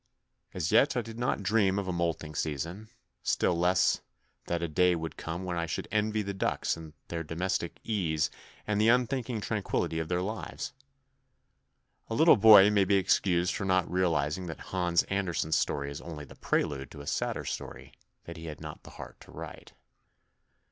As yet I did not dream of a moulting season, still less that a day would come when I should envy the ducks their domestic ease and the unthinking tranquillity of their lives. A little boy may be excused for not realising that Hans Andersen's story is only the prelude to a sadder story that he had not the heart to write.